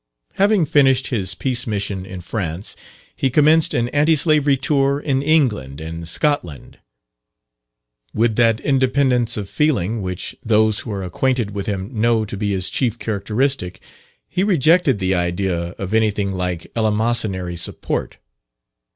Having finished his Peace mission in France, he commenced an Anti slavery tour in England and Scotland. With that independence of feeling which those who are acquainted with him know to be his chief characteristic, he rejected the idea of anything like eleemosynary support.